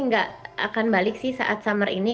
nggak akan balik sih saat summer ini